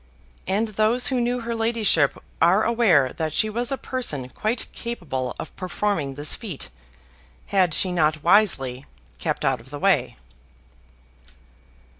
And those who knew her ladyship are aware that she was a person quite capable of performing this feat, had she not wisely kept out of the way.